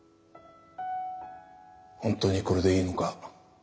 本当にこれでいいのか。